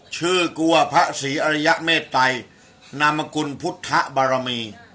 ชื่อกูอะพระศรีอริยะเมตตัยนามกุลพุทธะบารมี